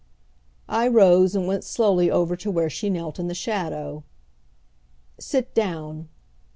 I rose and went slowly over to where she knelt in the shadow. "Sit down."